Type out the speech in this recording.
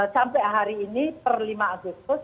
sampai hari ini per lima agustus